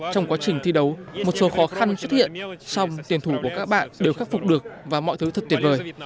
trong quá trình thi đấu một số khó khăn xuất hiện xong tiền thủ của các bạn đều khắc phục được và mọi thứ thật tuyệt vời